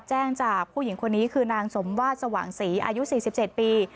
แจ้งจากผู้หญิงคนนี้คือนางสมวาดสว่างศรีอายุ๔๗ปี